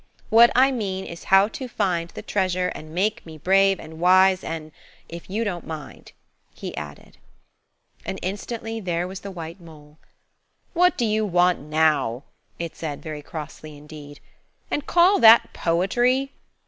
What I mean is how to find The treasure, and make me brave and wise–" If you don't mind," he added. And instantly there was the white mole. "What do you want now?" it said very crossly indeed. "And call that poetry?"